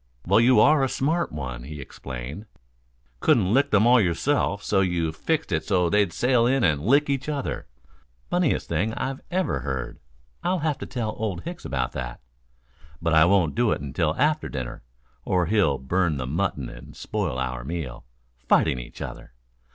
"Well, you are a smart one," he exclaimed. "Couldn't lick them all yourself, so you fixed it so they'd sail in and lick each other. Funniest thing I ever heard. I'll have to tell Old Hicks about that. But I won't do it till after dinner, or he'll burn the mutton and spoil our meal. Fighting each other!"